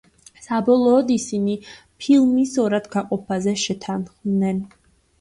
საბოლოოდ ისინი ფილმის ორად გაყოფაზე შეთანხმდნენ.